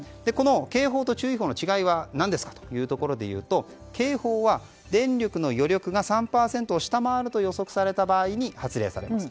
警報と注意報の違いでいうと警報は、電力の余力が３％を下回ると予測された場合に発令されます。